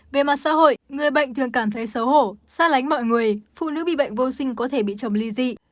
về mặt xã hội người bệnh thường cảm thấy xấu hổ xa lánh mọi người phụ nữ bị bệnh vô sinh có thể bị chồng ly dị